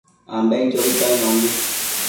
ambenquiobi cainombi